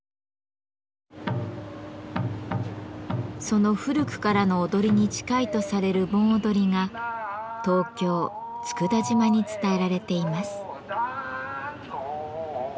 その古くからの踊りに近いとされる盆踊りが東京・佃島に伝えられています。